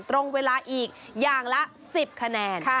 ตรงเวลาอีกอย่างละ๑๐คะแนน